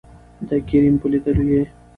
دکريم په لېدولو يې